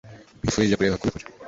nkwifurije kureka kubikora